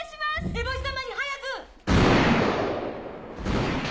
エボシ様に早く！